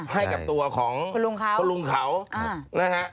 ให้กับตัวของคุณลุงเขาคุณลุงเขานะฮะ